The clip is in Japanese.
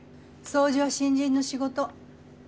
掃除は新人の仕事。